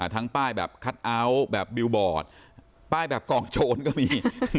ทั้งป้ายแบบคัทเอาท์แบบบิลบอร์ดป้ายแบบกอกโจรก็มี